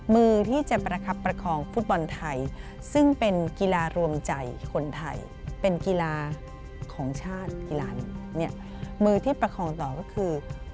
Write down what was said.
มือที่ประคองต่อก็คือ